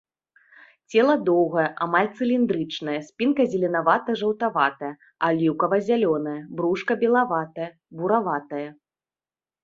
Цела доўгае, амаль цыліндрычнае, спінка зеленавата-жаўтаватая, аліўкава-зялёная, брушка белаватае, бураватае.